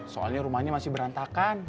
soalnya rumahnya masih berantakan